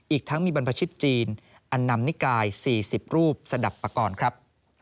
อีกทั้งมีบรรพชิตจีนอันนำนิกาย๔๐รูปสดับปากรครับ